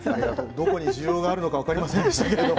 どこに需要があるのか分かりませんでしたけどね